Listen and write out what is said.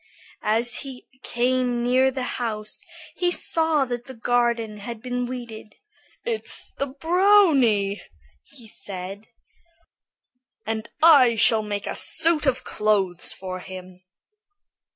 As he came near the house, he saw that the garden had been weeded. "It's that brownie!" he said; "and I shall make a suit of clothes for him."